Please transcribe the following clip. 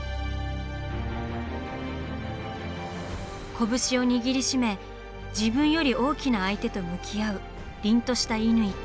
拳を握りしめ自分より大きな相手と向き合う凜とした乾。